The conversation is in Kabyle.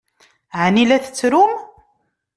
Ɛni la tettrum?